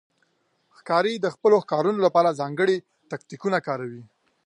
ښکاري د خپلو ښکارونو لپاره ځانګړي تاکتیکونه کاروي.